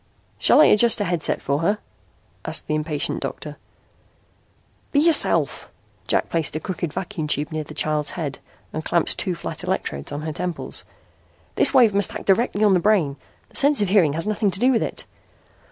"Shall I adjust a headset for her?" asked the impatient doctor. "Be yourself!" Jack placed a crooked vacuum tube near the child's head and clamped two flat electrodes on her temples. "This wave must act directly on the brain. The sense of hearing has nothing to do with it.